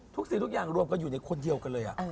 สิ่งทุกอย่างรวมกันอยู่ในคนเดียวกันเลย